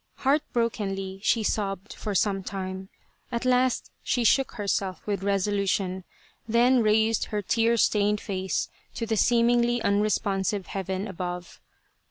Heartbrokenly she sobbed for some time. At last she shook herself with resolution ; then raised her 172 Tsubosaka tear stained face to the seemingly unresponsive heaven above.